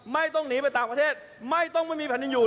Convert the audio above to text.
ไม่ต้องหนีไปต่างประเทศไม่ต้องไม่มีแผ่นดินอยู่